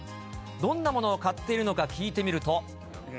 どんなものを買っているのか聞いてみると。